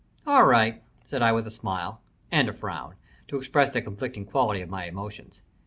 "All right," said I with a smile and a frown to express the conflicting quality of my emotions.